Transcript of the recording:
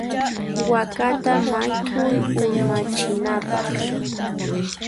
Wakata mayt'uy urmachinapaq.